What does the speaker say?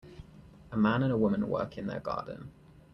A man and a woman work in their garden.